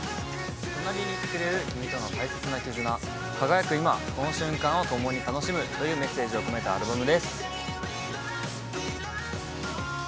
「隣にいてくれる君との大切な絆、輝く今、この瞬間を共に楽しむ」というメッセージを込めたアルバムです。